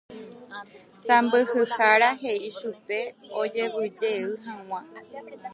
Sãmbyhyhára he'i chupe ojevyjey hag̃ua